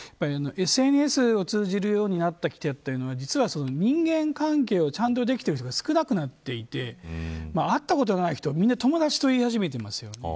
ＳＮＳを通じるようになったときは人間関係をちゃんとできている人が少なくなっていて会ったことのない人を、みんな友達と言い始めていますよね。